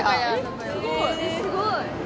すごい。